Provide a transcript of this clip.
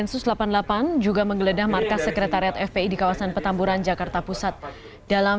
densus delapan puluh delapan juga menggeledah markas sekretariat fpi di kawasan petamburan jakarta pusat dalam